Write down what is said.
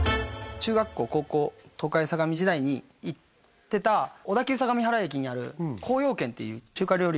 中学校高校東海相模時代に行ってた小田急相模原駅にある「晃陽軒」っていう中華料理